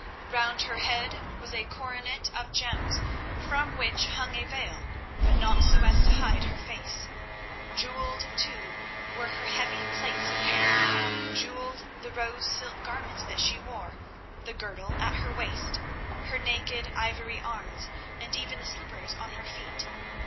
Round her head was a coronet of gems from which hung a veil, but not so as to hide her face. Jewelled, too, were her heavy plaits of hair, jewelled the rose silk garments that she wore, the girdle at her waist, her naked, ivory arms and even the slippers on her feet.